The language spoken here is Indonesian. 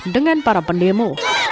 dengan para pendemo